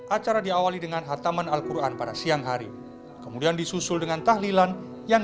acara diawali dengan hataman al quran pada siang hari kemudian disusul dengan tahlilan yang